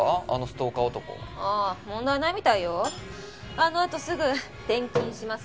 あのあとすぐ「転勤します。